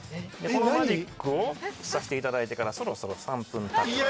このマジックさせていただいてからそろそろ３分たった。